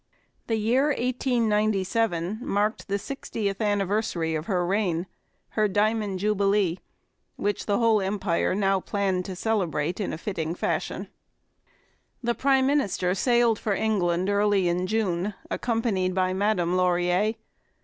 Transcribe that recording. The year 1897 marked the sixtieth anniversary of her reign, her Diamond Jubilee, which the whole Empire now planned to celebrate in fitting fashion. The prime minister sailed for England early in June, accompanied by Madame Laurier.